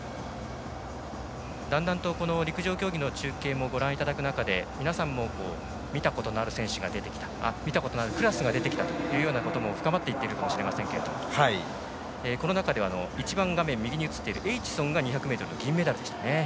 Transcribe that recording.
だんだんと陸上競技の中継をご覧いただく中で皆さんも、見たことのある選手が出てきた見たことのあるクラスが出てきたと深まっていっているかもしれませんけれどもこの中ではエイチソンが２００ｍの銀メダルでした。